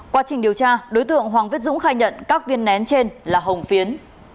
quá trình điều tra đối tượng hoàng viết dũng khai nhận các viên nén trên là hồng phiến